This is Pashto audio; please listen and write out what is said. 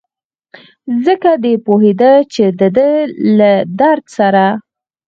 ځکه دی پوهېده چې دده له درد سره.